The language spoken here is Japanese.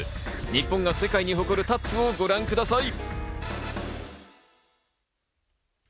日本が世界に誇るタップをご覧ください。